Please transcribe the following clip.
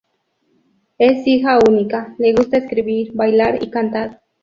Es hija única, le gusta escribir, bailar y cantar.